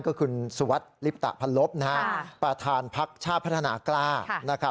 ก็คุณสุวรรษริปตะพรรพประธานพักษ์ชาติพัฒนากล้า